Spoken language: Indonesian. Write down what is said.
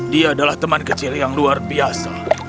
dia adalah teman kecil yang luar biasa